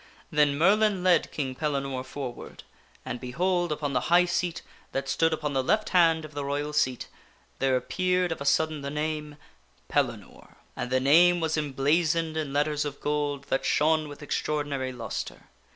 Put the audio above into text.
Then Merlin led King Pellinore forward and behold ! upon the high seat that stood upon the left hand of the Royal Seat there appeared of a sudden the name, And the name was emblazoned in letters of gold that shone with extraor dinary lustre.